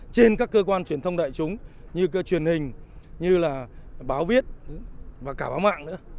trên các cơ quan truyền thông đại chúng như truyền hình như là báo viết và cả báo mạng nữa